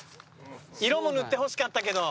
色も塗ってほしかったけど。